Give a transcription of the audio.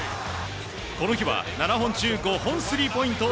この日は７本中５本スリーポイント